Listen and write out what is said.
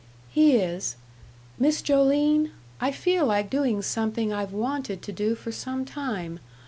"He is.... Miss Joline, I feel like doing something I've wanted to do for some time.